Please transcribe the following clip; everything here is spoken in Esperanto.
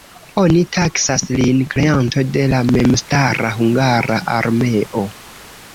Oni taksas lin kreanto de la memstara hungara armeo.